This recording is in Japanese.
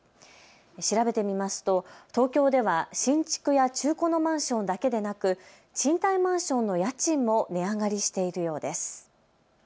調べてみますと、東京では新築や中古のマンションだけでなく賃貸マンションの家賃も値上がりしているようです。